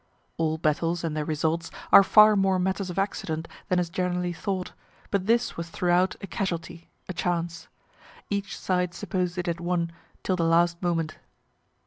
(All battles, and their results, are far more matters of accident than is generally thought; but this was throughout a casualty, a chance. Each side supposed it had won, till the last moment.